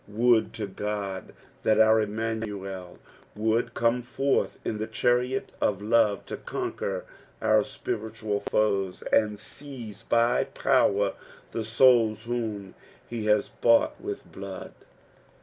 Would !□ Ood that our Immanucl would cnmo forth in the chariot oF love to conquer our spiritual (oti and EciEo by power the souU whom he ha« bought witn bluud.